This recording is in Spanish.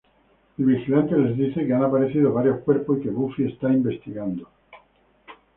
El vigilante les dice que han aparecido varios cuerpos y que Buffy está investigando.